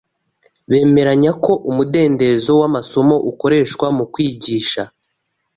Bemeranya ko umudendezo wamasomo ukoreshwa mukwigisha